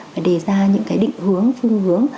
và đề ra những định hướng phương hướng